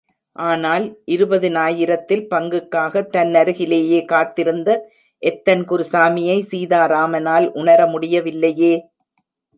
ஆனால் இருபதினாயிரத்தில் பங்குக்காகத் தன்னருகிலேயே காத்திருந்த எத்தன் குருசாமியை சீதாராமனால் உணரமுடியவில்லையே!